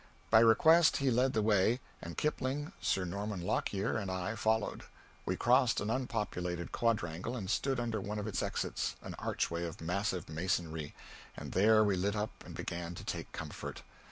By request he led the way, and Kipling, Sir Norman Lockyer and I followed. We crossed an unpopulated quadrangle and stood under one of its exits an archway of massive masonry and there we lit up and began to take comfort.